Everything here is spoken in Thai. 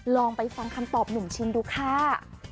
ลองไปฟังคำตอบหนุ่มชินดูค่ะ